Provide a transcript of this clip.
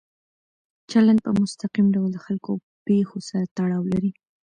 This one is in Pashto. چلند په مستقیم ډول د خلکو او پېښو سره تړاو لري.